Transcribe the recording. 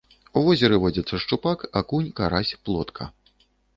У возеры водзяцца шчупак, акунь, карась, плотка.